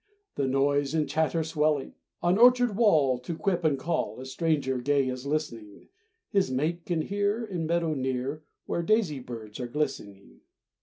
The noise and chatter swelling. On orchard wall, To quip and call, A stranger gay is listening; His mate can hear In meadow near, Where daisy birds are glistening.